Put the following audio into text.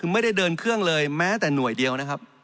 ไม่ได้เดินเครื่องเลยแม้แต่หน่วยเดียวนะครับ